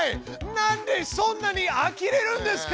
なんでそんなにあきれるんですか！